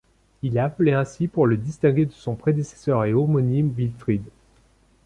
Il est appelé ainsi pour le distinguer de son prédécesseur et homonyme Wilfrid.